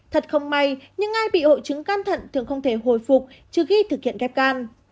thật không may nhưng ai bị hội chứng can thận thường không thể hồi phục trước khi thực hiện ghép can